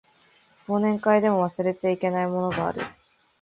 忘年会でも忘れちゃいけないものがある